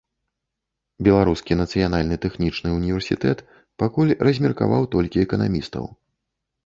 Беларускі нацыянальны тэхнічны ўніверсітэт пакуль размеркаваў толькі эканамістаў.